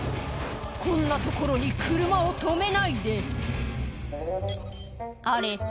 こんな所に車を止めないで「あれ？